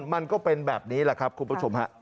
มันก็เป็นแบบนี้แหละครับคุณผู้ชมฮะ